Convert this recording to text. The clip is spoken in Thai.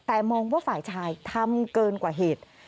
แต่มองว่าฝ่ายชายทำเกินกว่าเหตุ